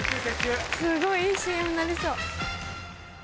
すごいいいＣＭになりそう。